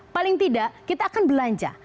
paling tidak kita akan belanja